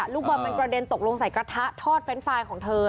ลูกบอลมันกระเด็นตกลงใส่กระทะทอดเฟรนด์ไฟล์ของเธอ